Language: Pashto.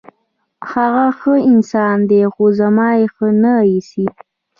هغه ښه انسان دی، خو زما یې ښه نه ایسي.